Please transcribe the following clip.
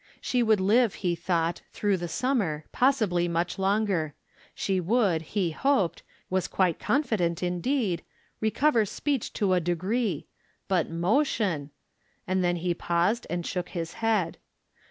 She would live, he thought, through the summer, possibly much longer ; she would, he hoped — was quite confident, indeed — ^i ecover speech to a degree — but motion ! And then he paused and shook his head.